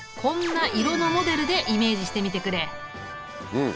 うん。